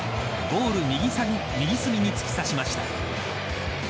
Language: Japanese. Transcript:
ゴール右隅に突き刺しました。